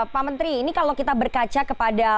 pak menteri ini kalau kita berkaca kepada